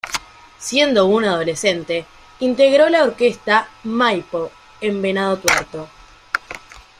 Siendo un adolescente integró la Orquesta Maipo en Venado Tuerto.